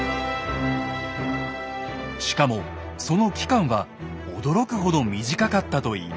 しかもその期間は驚くほど短かったといいます。